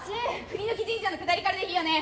栗の木神社のくだりからでいいよね？